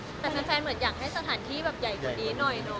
แต่แฟนเหมือนอยากให้สถานที่แบบใหญ่กว่านี้หน่อยเนาะ